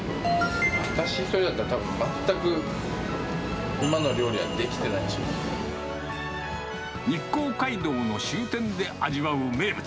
私１人だったら、日光街道の終点で味わう名物。